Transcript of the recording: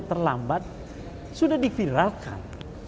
terlambat sudah diviralkan